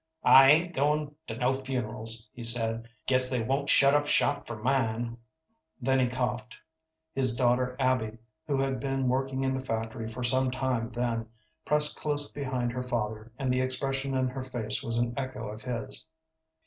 "I ain't goin' to no funerals," he said; "guess they won't shut up shop for mine." Then he coughed. His daughter Abby, who had been working in the factory for some time then, pressed close behind her father, and the expression in her face was an echo of his.